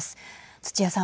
土屋さん。